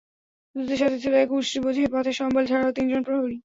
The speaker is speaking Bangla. দূতের সাথে ছিল এক উষ্ট্রী বোঝাই পথের সম্বল ছাড়াও তিনজন প্রহরী।